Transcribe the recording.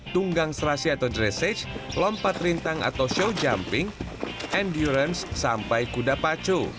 tunggang serasi atau dressage lompat rintang atau show jumping endurance sampai kuda paco